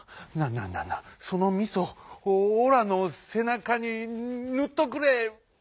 なあなあそのみそオラのせなかにぬっとくれ」。